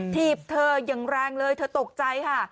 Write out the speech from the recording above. ถีบเธออย่างแรงเลยเธอตกใจค่ะ